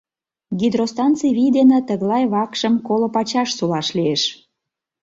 Гидростанций вий дене тыглай вакшым коло пачаш сулаш лиеш.